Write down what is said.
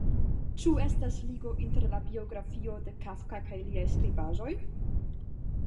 Ĉu estas ligo inter la biografio de Kafka kaj liaj skribaĵoj?